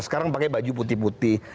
sekarang pakai baju putih putih